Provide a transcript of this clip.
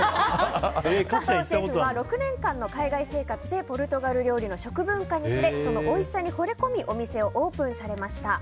佐藤シェフは６年間の海外生活でポルトガル料理の食文化に触れそのおいしさにほれ込みお店をオープンされました。